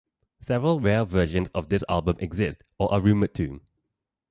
Several rare versions of this album exist or are rumored to.